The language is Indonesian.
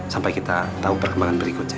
sampai kita tahu perkembangan berikutnya